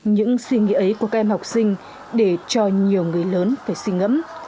những suy nghĩ ấy của các em học sinh để cho nhiều người lớn phải suy ngẫm